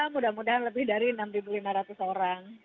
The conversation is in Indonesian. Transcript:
mudah mudahan lebih dari enam lima ratus orang